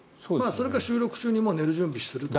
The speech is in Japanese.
それか収録中に寝る準備をするとか。